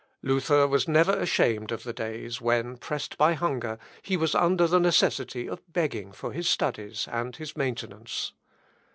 Luther was never ashamed of the days when, pressed by hunger, he was under the necessity of begging for his studies and his maintenance.